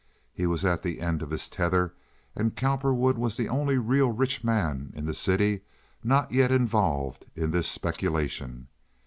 He was at the end of his tether, and Cowperwood was the only really rich man in the city not yet involved in this speculation.